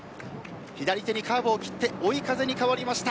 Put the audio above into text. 左手にカーブをきって追い風に変わりました。